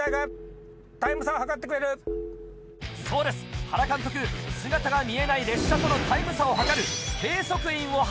そうです原監督姿が見えない列車とのタイム差を計る。